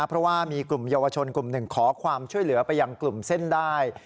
เพราะว่ามีกลุ่มเยาวชนกลุ่มหนึ่งขอความช่วยเหลือไปยังกลุ่มเส้นได้